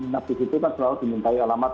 nabi itu kan selalu dimintai alamat